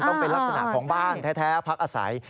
ต้องเป็นลักษณะของบ้านแท้พักอาศัย